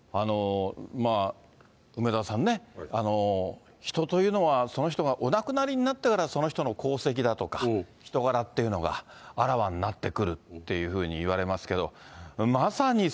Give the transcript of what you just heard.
梅沢さんね、人というのはその人がお亡くなりになってから、その人の功績だとか、人柄っていうのがあらわになってくるっていうふうに言われますけ